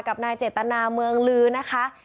กับนายเจตนาเมืองลือนะคะ